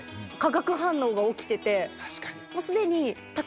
もうすでに。